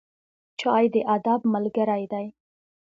چای د ادب ملګری دی.